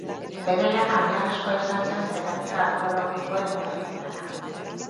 Bere lana oinarrizkoa izan zen zeramika arkeologikoen ikerkuntzarako.